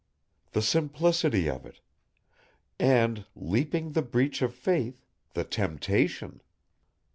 The simplicity of it! And, leaping the breach of faith, the temptation!